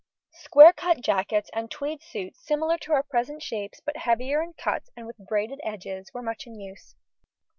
Square cut jackets and tweed suits similar to our present shapes, but heavier in cut and with braided edges, were much in use.